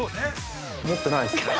持ってないっすね。